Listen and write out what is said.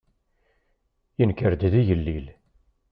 Yenker-d d igellil.